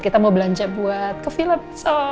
kita mau belanja buat ke film